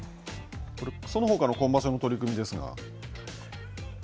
そのほかの今場所の取組ですが。